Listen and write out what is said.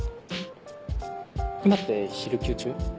今って昼休中？